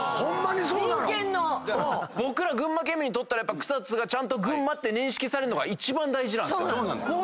僕ら群馬県民にとったら草津がちゃんと群馬って認識されるのが一番大事なんですよ。